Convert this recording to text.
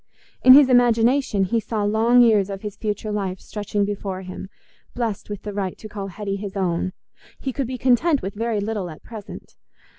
In his imagination he saw long years of his future life stretching before him, blest with the right to call Hetty his own: he could be content with very little at present.